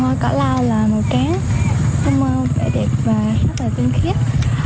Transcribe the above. màu hoa cỏ lâu là màu trắng không vẻ đẹp và rất là tinh khiết